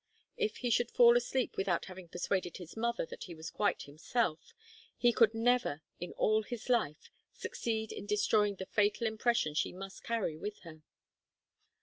If he should fall asleep without having persuaded his mother that he was quite himself, he could never, in all his life, succeed in destroying the fatal impression she must carry with her.